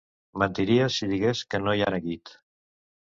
Mentiria si digués que no hi ha neguit.